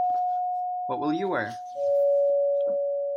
What will you wear?